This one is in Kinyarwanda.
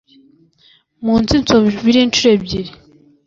munsi nsoma Bibiliya incuro ebyiri